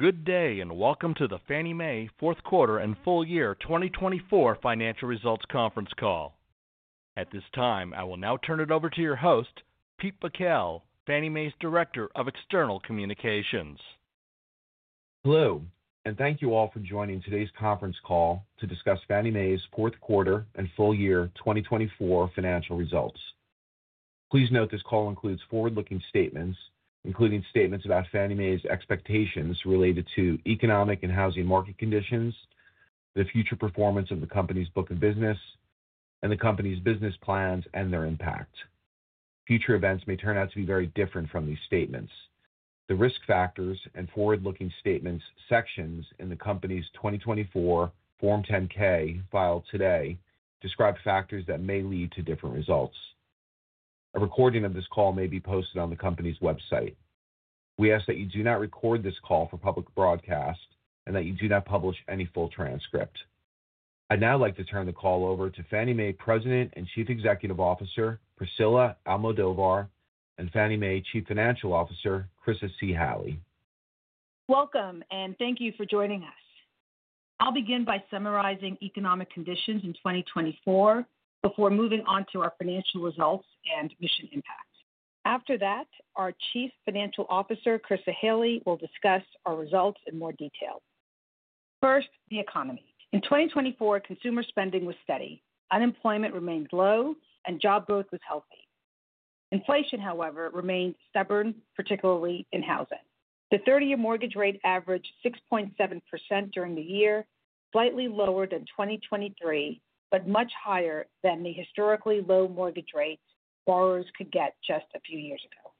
Good day and welcome to the Fannie Mae Fourth Quarter and Full Year 2024 Financial Results Conference Call. At this time, I will now turn it over to your host, Pete Bakel, Fannie Mae's Director of External Communications. Hello, and thank you all for joining today's conference call to discuss Fannie Mae's Fourth Quarter and Full Year 2024 financial results. Please note this call includes forward-looking statements, including statements about Fannie Mae's expectations related to economic and housing market conditions, the future performance of the company's book of business, and the company's business plans and their impact. Future events may turn out to be very different from these statements. The risk factors and forward-looking statements sections in the company's 2024 Form 10-K filed today describe factors that may lead to different results. A recording of this call may be posted on the company's website. We ask that you do not record this call for public broadcast and that you do not publish any full transcript. I'd now like to turn the call over to Fannie Mae President and Chief Executive Officer, Priscilla Almodovar, and Fannie Mae Chief Financial Officer, Chryssa C. Halley. Welcome, and thank you for joining us. I'll begin by summarizing economic conditions in 2024 before moving on to our financial results and mission impact. After that, our Chief Financial Officer, Chryssa Halley, will discuss our results in more detail. First, the economy. In 2024, consumer spending was steady, unemployment remained low, and job growth was healthy. Inflation, however, remained stubborn, particularly in housing. The 30-year mortgage rate averaged 6.7% during the year, slightly lower than 2023, but much higher than the historically low mortgage rates borrowers could get just a few years ago.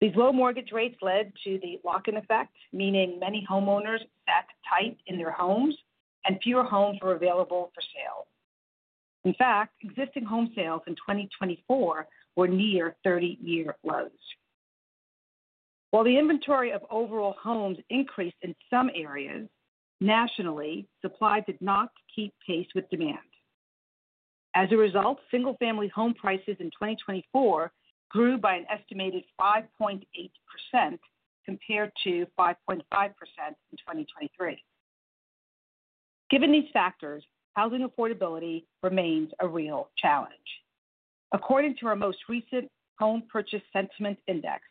These low mortgage rates led to the lock-in effect, meaning many homeowners sat tight in their homes and fewer homes were available for sale. In fact, existing home sales in 2024 were near 30-year lows. While the inventory of overall homes increased in some areas, nationally, supply did not keep pace with demand. As a result, single-family home prices in 2024 grew by an estimated 5.8% compared to 5.5% in 2023. Given these factors, housing affordability remains a real challenge. According to our most recent Home Purchase Sentiment Index,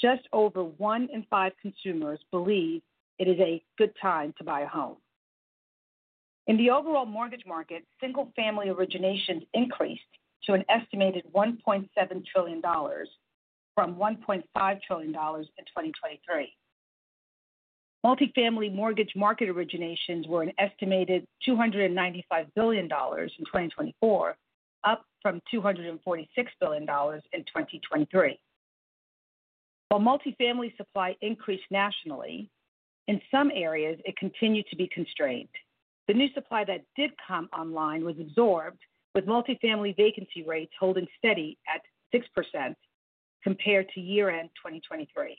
just over one in five consumers believe it is a good time to buy a home. In the overall mortgage market, single-family originations increased to an estimated $1.7 trillion, from $1.5 trillion in 2023. Multifamily mortgage market originations were an estimated $295 billion in 2024, up from $246 billion in 2023. While multifamily supply increased nationally, in some areas, it continued to be constrained. The new supply that did come online was absorbed, with multifamily vacancy rates holding steady at 6% compared to year-end 2023.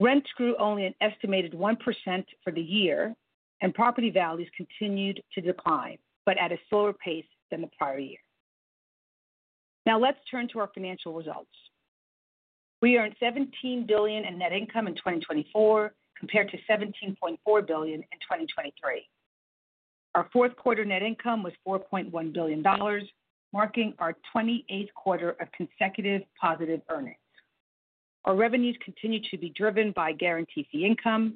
Rents grew only an estimated 1% for the year, and property values continued to decline, but at a slower pace than the prior year. Now let's turn to our financial results. We earned $17 billion in net income in 2024 compared to $17.4 billion in 2023. Our fourth quarter net income was $4.1 billion, marking our 28th quarter of consecutive positive earnings. Our revenues continue to be driven by guaranty fee income.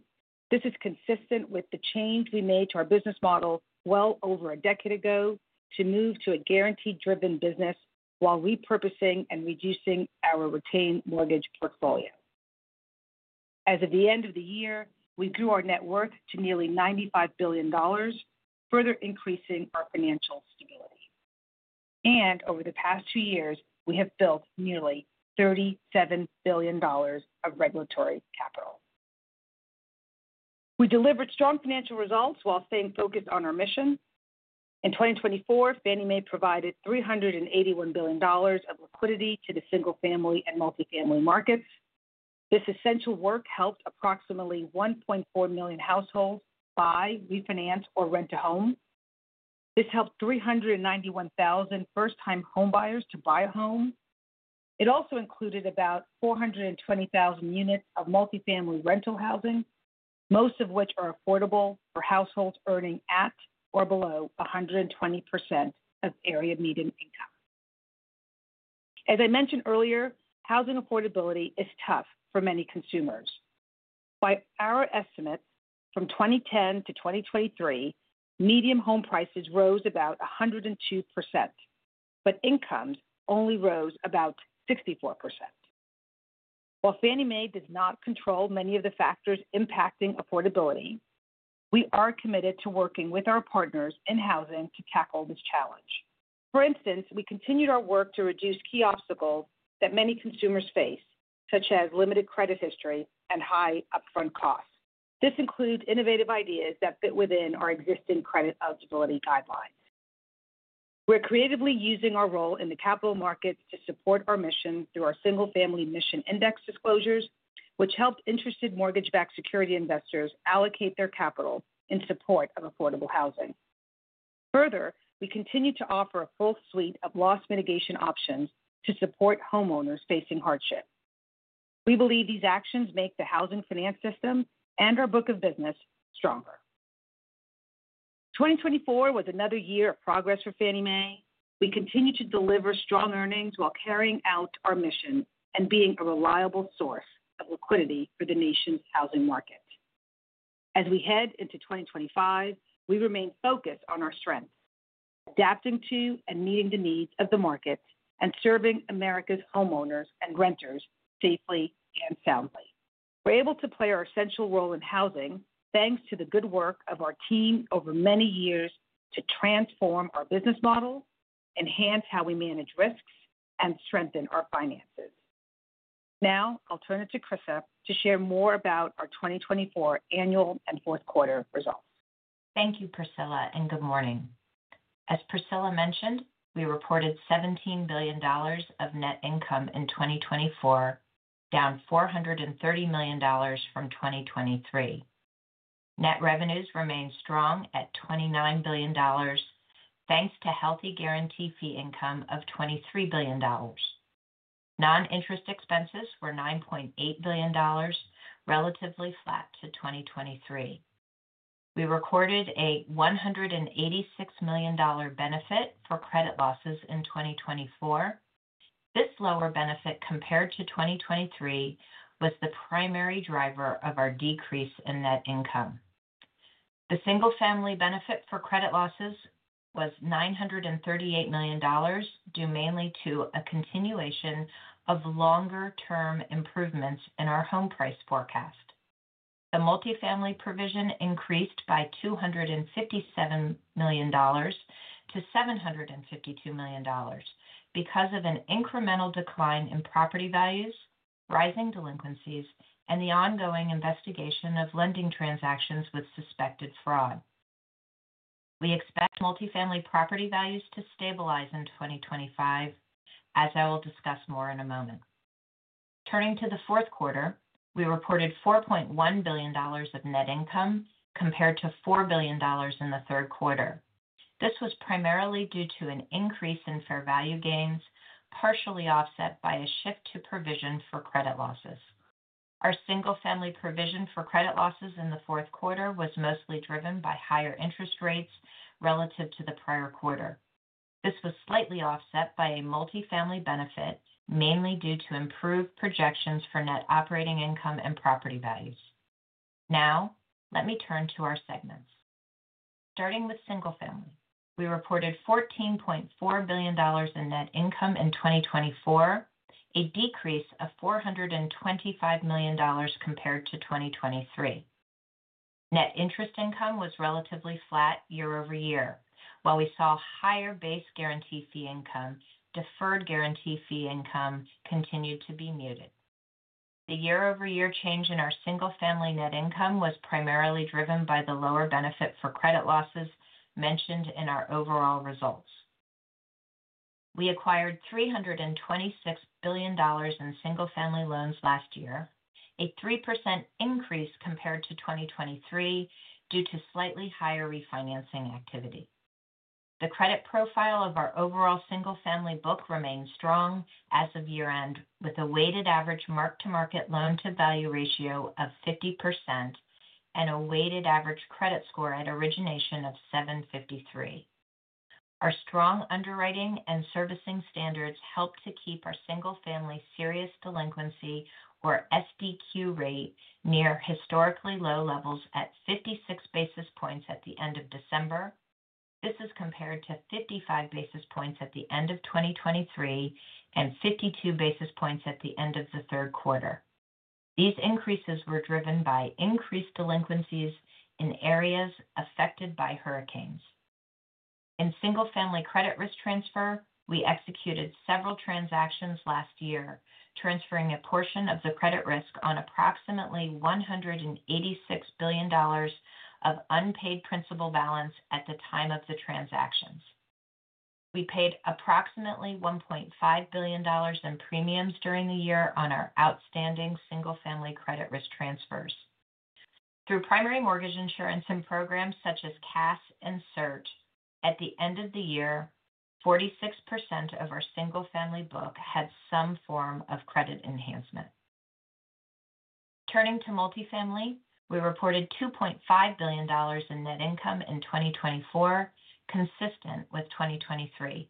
This is consistent with the change we made to our business model well over a decade ago to move to a guarantee-driven business while repurposing and reducing our retained mortgage portfolio. As of the end of the year, we grew our net worth to nearly $95 billion, further increasing our financial stability. Over the past two years, we have built nearly $37 billion of regulatory capital. We delivered strong financial results while staying focused on our mission. In 2024, Fannie Mae provided $381 billion of liquidity to the single-family and multifamily markets. This essential work helped approximately 1.4 million households buy, refinance, or rent a home. This helped 391,000 first-time homebuyers to buy a home. It also included about 420,000 units of multifamily rental housing, most of which are affordable for households earning at or below 120% of area median income. As I mentioned earlier, housing affordability is tough for many consumers. By our estimates, from 2010 to 2023, median home prices rose about 102%, but incomes only rose about 64%. While Fannie Mae does not control many of the factors impacting affordability, we are committed to working with our partners in housing to tackle this challenge. For instance, we continued our work to reduce key obstacles that many consumers face, such as limited credit history and high upfront costs. This includes innovative ideas that fit within our existing credit eligibility guidelines. We're creatively using our role in the capital markets to support our mission through our Single-Family Mission Index disclosures, which helped interested mortgage-backed security investors allocate their capital in support of affordable housing. Further, we continue to offer a full suite of loss mitigation options to support homeowners facing hardship. We believe these actions make the housing finance system and our book of business stronger. 2024 was another year of progress for Fannie Mae. We continue to deliver strong earnings while carrying out our mission and being a reliable source of liquidity for the nation's housing market. As we head into 2025, we remain focused on our strengths, adapting to and meeting the needs of the market and serving America's homeowners and renters safely and soundly. We're able to play our essential role in housing, thanks to the good work of our team over many years to transform our business model, enhance how we manage risks, and strengthen our finances. Now I'll turn it to Chryssa to share more about our 2024 annual and fourth quarter results. Thank you, Priscilla, and good morning. As Priscilla mentioned, we reported $17 billion of net income in 2024, down $430 million from 2023. Net revenues remained strong at $29 billion, thanks to healthy guaranteed fee income of $23 billion. Non-interest expenses were $9.8 billion, relatively flat to 2023. We recorded a $186 million benefit for credit losses in 2024. This lower benefit compared to 2023 was the primary driver of our decrease in net income. The single-family benefit for credit losses was $938 million, due mainly to a continuation of longer-term improvements in our home price forecast. The multifamily provision increased by $257 million to $752 million because of an incremental decline in property values, rising delinquencies, and the ongoing investigation of lending transactions with suspected fraud. We expect multifamily property values to stabilize in 2025, as I will discuss more in a moment. Turning to the fourth quarter, we reported $4.1 billion of net income compared to $4 billion in the third quarter. This was primarily due to an increase in fair value gains, partially offset by a shift to provision for credit losses. Our single-family provision for credit losses in the fourth quarter was mostly driven by higher interest rates relative to the prior quarter. This was slightly offset by a multifamily benefit, mainly due to improved projections for net operating income and property values. Now let me turn to our segments. Starting with single-family, we reported $14.4 billion in net income in 2024, a decrease of $425 million compared to 2023. Net interest income was relatively flat year over year, while we saw higher base guaranteed fee income. Deferred guaranteed fee income continued to be muted. The year-over-year change in our single-family net income was primarily driven by the lower benefit for credit losses mentioned in our overall results. We acquired $326 billion in single-family loans last year, a 3% increase compared to 2023 due to slightly higher refinancing activity. The credit profile of our overall single-family book remained strong as of year-end, with a weighted average mark-to-market loan-to-value ratio of 50% and a weighted average credit score at origination of 753. Our strong underwriting and servicing standards helped to keep our single-family serious delinquency, or SDQ, rate near historically low levels at 56 basis points at the end of December. This is compared to 55 basis points at the end of 2023 and 52 basis points at the end of the third quarter. These increases were driven by increased delinquencies in areas affected by hurricanes. In single-family credit risk transfer, we executed several transactions last year, transferring a portion of the credit risk on approximately $186 billion of unpaid principal balance at the time of the transactions. We paid approximately $1.5 billion in premiums during the year on our outstanding single-family credit risk transfers. Through primary mortgage insurance and programs such as CAS and CIRT, at the end of the year, 46% of our single-family book had some form of credit enhancement. Turning to multifamily, we reported $2.5 billion in net income in 2024, consistent with 2023.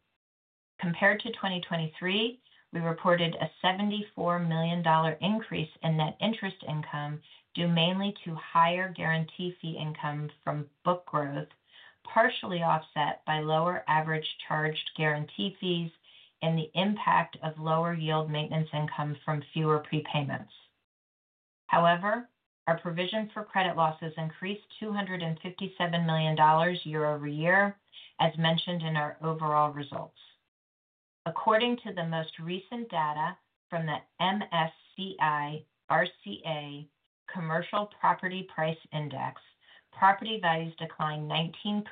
Compared to 2023, we reported a $74 million increase in net interest income due mainly to higher guaranteed fee income from book growth, partially offset by lower average charged guaranty fees and the impact of lower yield maintenance income from fewer prepayments. However, our provision for credit losses increased $257 million year-over-year, as mentioned in our overall results. According to the most recent data from the MSCI RCA Commercial Property Price Index, property values declined 19%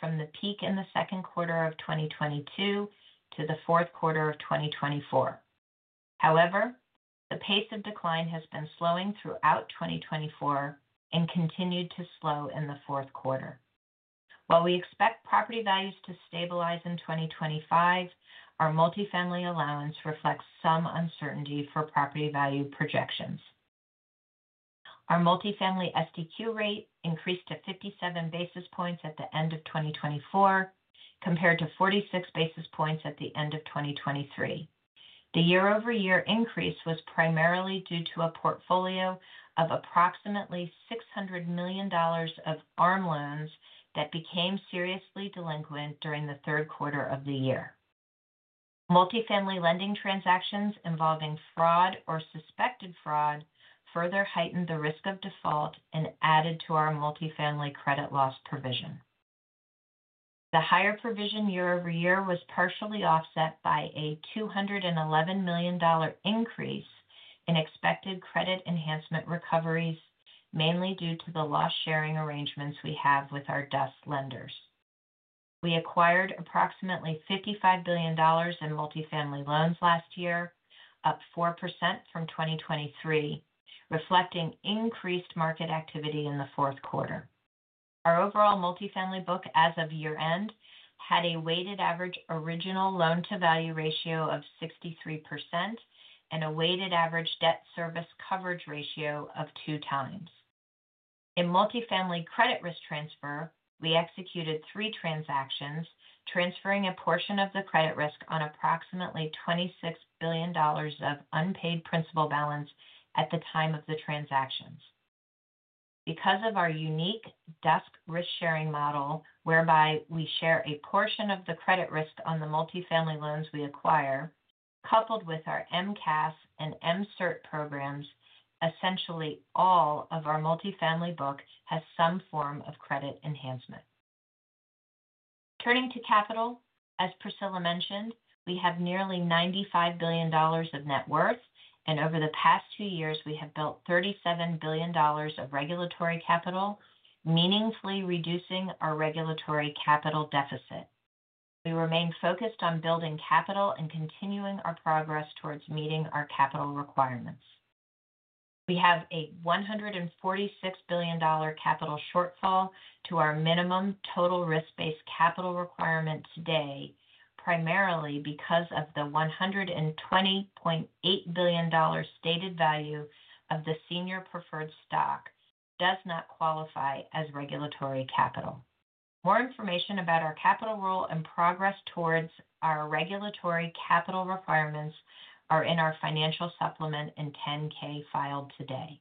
from the peak in the second quarter of 2022 to the fourth quarter of 2024. However, the pace of decline has been slowing throughout 2024 and continued to slow in the fourth quarter. While we expect property values to stabilize in 2025, our multifamily allowance reflects some uncertainty for property value projections. Our multifamily SDQ rate increased to 57 basis points at the end of 2024, compared to 46 basis points at the end of 2023. The year-over-year increase was primarily due to a portfolio of approximately $600 million of ARM loans that became seriously delinquent during the third quarter of the year. Multifamily lending transactions involving fraud or suspected fraud further heightened the risk of default and added to our multifamily credit loss provision. The higher provision year-over-year was partially offset by a $211 million increase in expected credit enhancement recoveries, mainly due to the loss-sharing arrangements we have with our DUS lenders. We acquired approximately $55 billion in multifamily loans last year, up 4% from 2023, reflecting increased market activity in the fourth quarter. Our overall multifamily book as of year-end had a weighted average original loan-to-value ratio of 63% and a weighted average debt service coverage ratio of two times. In multifamily credit risk transfer, we executed three transactions, transferring a portion of the credit risk on approximately $26 billion of unpaid principal balance at the time of the transactions. Because of our unique DUS risk-sharing model, whereby we share a portion of the credit risk on the multifamily loans we acquire, coupled with our MCAS and MCIRT programs, essentially all of our multifamily book has some form of credit enhancement. Turning to capital, as Priscilla mentioned, we have nearly $95 billion of net worth, and over the past two years, we have built $37 billion of regulatory capital, meaningfully reducing our regulatory capital deficit. We remain focused on building capital and continuing our progress towards meeting our capital requirements. We have a $146 billion capital shortfall to our minimum total risk-based capital requirement today, primarily because of the $120.8 billion stated value of the senior preferred stock does not qualify as regulatory capital. More information about our capital rule and progress towards our regulatory capital requirements are in our financial supplement in 10-K filed today.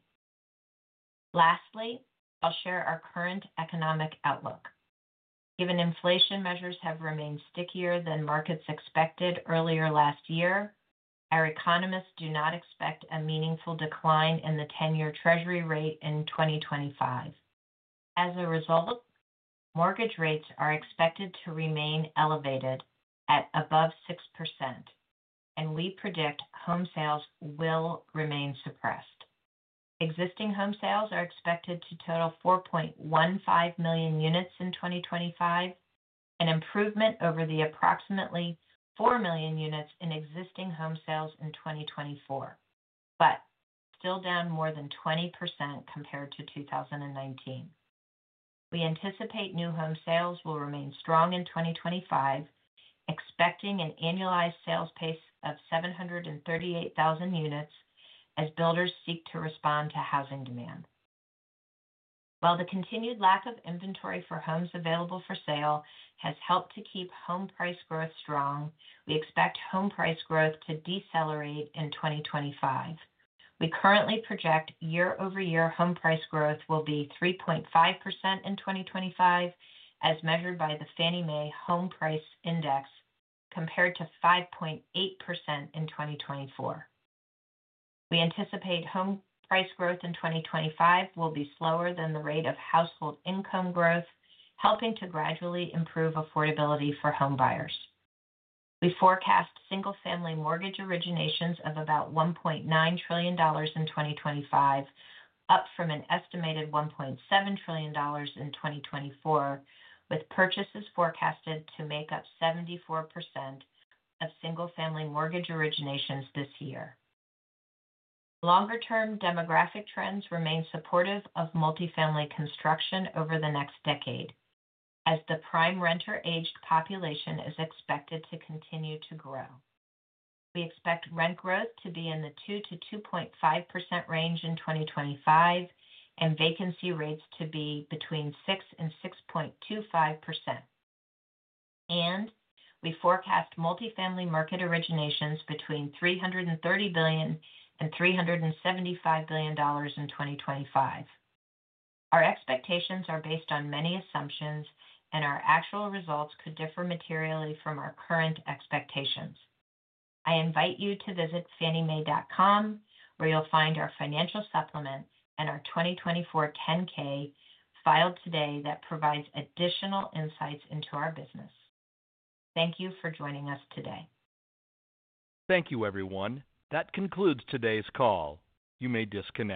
Lastly, I'll share our current economic outlook. Given inflation measures have remained stickier than markets expected earlier last year, our economists do not expect a meaningful decline in the 10-year Treasury rate in 2025. As a result, mortgage rates are expected to remain elevated at above 6%, and we predict home sales will remain suppressed. Existing home sales are expected to total 4.15 million units in 2025, an improvement over the approximately 4 million units in existing home sales in 2024, but still down more than 20% compared to 2019. We anticipate new home sales will remain strong in 2025, expecting an annualized sales pace of 738,000 units as builders seek to respond to housing demand. While the continued lack of inventory for homes available for sale has helped to keep home price growth strong, we expect home price growth to decelerate in 2025. We currently project year-over-year home price growth will be 3.5% in 2025, as measured by the Fannie Mae Home Price Index, compared to 5.8% in 2024. We anticipate home price growth in 2025 will be slower than the rate of household income growth, helping to gradually improve affordability for home buyers. We forecast single-family mortgage originations of about $1.9 trillion in 2025, up from an estimated $1.7 trillion in 2024, with purchases forecasted to make up 74% of single-family mortgage originations this year. Longer-term demographic trends remain supportive of multifamily construction over the next decade, as the prime renter-aged population is expected to continue to grow. We expect rent growth to be in the 2-2.5% range in 2025 and vacancy rates to be between 6% and 6.25%. And we forecast multifamily market originations between $330 billion and $375 billion in 2025. Our expectations are based on many assumptions, and our actual results could differ materially from our current expectations. I invite you to visit fanniemae.com, where you'll find our financial supplement and our 2024 10-K filed today that provides additional insights into our business. Thank you for joining us today. Thank you, everyone. That concludes today's call. You may disconnect.